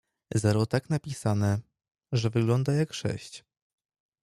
Zero tak napisane, że wygląda jak sześć.